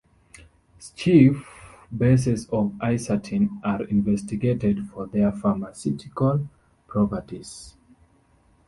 Schiff bases of isatin are investigated for their pharmaceutical properties.